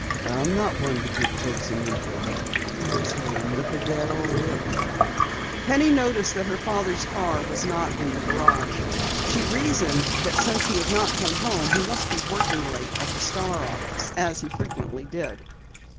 I'm not one to get Judson into trouble. He's had enough of it already." Penny noticed that her father's car was not in the garage. She reasoned that since he had not come home he must be working late at the Star office as he frequently did.